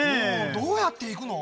どうやっていくの？